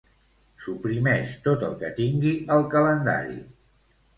Suprimeix tot el que tingui al calendari.